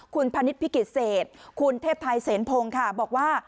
คุณพนิษฐพิกิจเศษคุณเทพไทยเสนพงศ์ค่ะบอกว่า